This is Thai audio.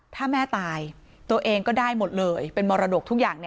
ถ้าแม่ตายตัวเองก็ได้หมดเลยเป็นมรดกทุกอย่าง